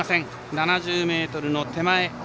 ７０ｍの手前。